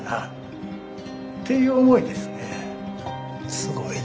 すごいね。